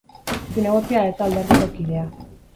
Zinegotzia ez da alderdiko kidea.